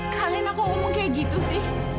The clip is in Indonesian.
kalian aku ngomong kayak gitu sih